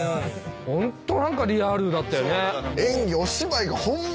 ホント何かリアルだったよね。